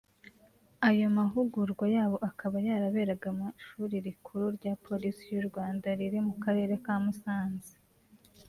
Ayo mahugurwa yabo akaba yaraberaga mu Ishuri rikuru rya Polisi y’u Rwanda riri mu karere ka Musanze